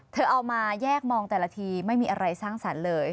เธอเอามาแยกมองแต่ละทีไม่มีอะไรสั้นสั้นเลย